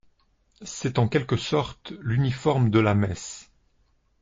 C'est en quelque sorte l'uniforme de la messe.